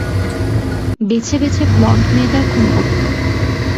বেছে বেছে ব্লন্ড মেয়েদের খুন করত।